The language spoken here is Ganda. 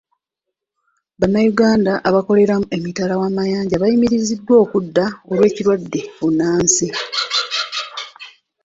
Bannayuganda abakolera emitala wamayanja bayimiriziddwa okudda olw'ekirwadde bbunansi.